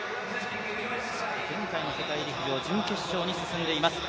前回の世界陸上準決勝に進んでいます。